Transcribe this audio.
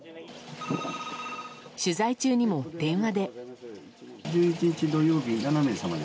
取材中にも電話で。